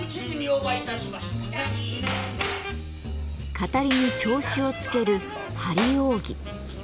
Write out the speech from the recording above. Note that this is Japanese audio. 語りに調子をつける「張り扇」。